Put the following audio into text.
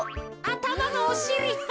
あたまのおしり。